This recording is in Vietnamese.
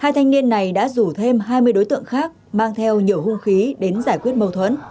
hai thanh niên này đã rủ thêm hai mươi đối tượng khác mang theo nhiều hung khí đến giải quyết mâu thuẫn